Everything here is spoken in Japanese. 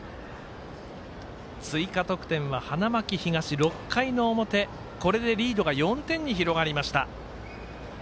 追加得点は花巻東６回の表これでリードが４点に広がりました。